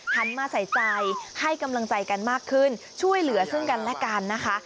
หันมาใส่ใจให้กำลังใจกันมากขึ้นช่วยเหลือซึ่งกันและกันนะคะ